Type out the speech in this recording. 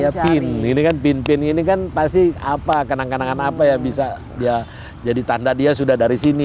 ya pin ini kan pin pin ini kan pasti apa kenang kenangan apa yang bisa dia jadi tanda dia sudah dari sini